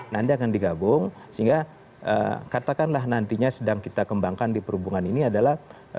nanti akan digabung sehingga katakanlah nantinya sedang kita kembangkan di perhubungan ini adalah